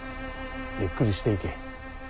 ゆっくりしていけ。